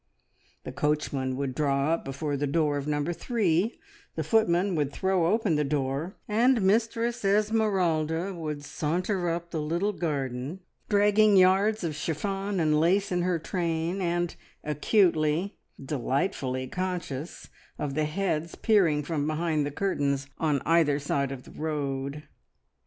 The coachman would draw up before the door of Number Three, the footman would throw open the door, and Mistress Esmeralda would saunter up the little garden, dragging yards of chiffon and lace in her train, and acutely, delightfully conscious of the heads peering from behind the curtains on either side of the road.